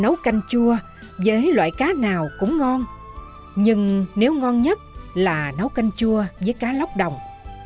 nấu canh chua với loại cá nào cũng ngon nhưng nấu ngon nhất là nấu canh chua với cá lóc đồng